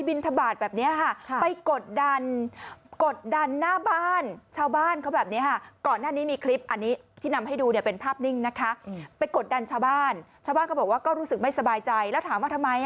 เพราะว่าหนึ่งไปบินทบาทแบบนี้